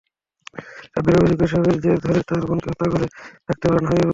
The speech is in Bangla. রাব্বীর অভিযোগ, এসবের জের ধরে তাঁর বোনকে হত্যা করে থাকতে পারেন হাবিবুর।